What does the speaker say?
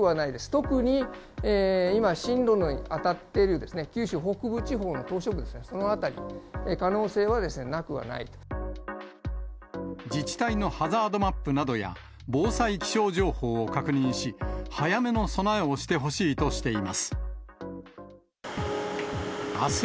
特に今、進路の当たってる九州北部地方の島しょ部ですね、その辺り、自治体のハザードマップなどや、防災気象情報を確認し、早めの備えをしてほしいとしています。